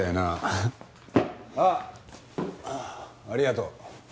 あっありがとう。